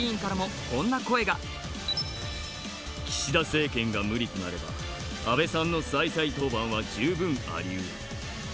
岸田政権が無理となれば、安倍さんの再々登板は十分ありうる。